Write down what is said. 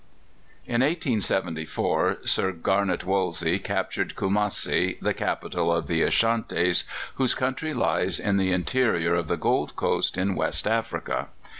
In 1874 Sir Garnet Wolseley captured Kumassi, the capital of the Ashantis, whose country lies in the interior of the Gold Coast, in West Africa.